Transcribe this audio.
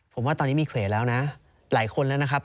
ผมว่าตอนนี้มีเครดแล้วนะหลายคนแล้วนะครับ